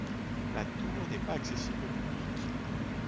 La tour n'est pas accessible au public.